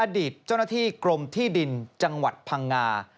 อดีตเจ้าหน้าที่กรมที่ดินจังหวัดพังงา